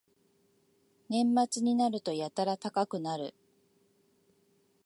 年末になるとやたら高くなる